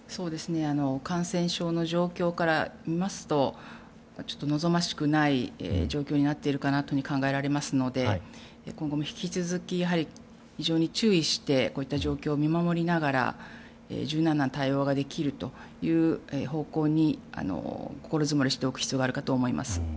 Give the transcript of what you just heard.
感染症の状況から見ますと望ましくない状況になっているかなと考えられますので今後も引き続き、非常に注意してこういった状況を見守りながら柔軟な対応ができる方向に心づもりしておく必要はあると思います。